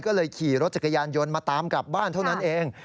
ก็เลยขี่รถจักรยานยนต์มาตามกลับบ้านเท่านั้นเอง